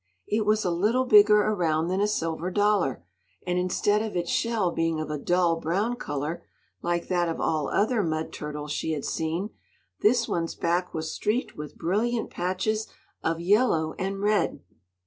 It was a little bigger around than a silver dollar, and instead of its shell being of a dull brown color, like that of all other mud turtles she had seen, this one's back was streaked with brilliant patches of yellow and red.